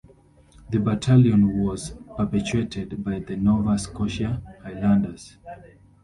The battalion was perpetuated by The Nova Scotia Highlanders.